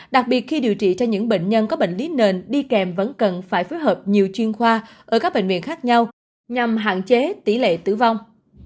đặc biệt khi điều trị cho những bệnh nhân có bệnh lý nền đi kèm vẫn cần phải phối hợp nhiều chuyên khoa ở các bệnh viện khác nhau nhằm hạn chế tỷ lệ tử vong